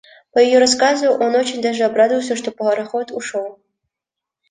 По ее рассказу, он очень даже обрадовался, что пароход ушел.